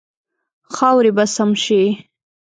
خاورې به سم شي.